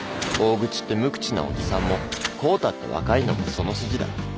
大口って無口なおじさんも公太って若いのもその筋だ。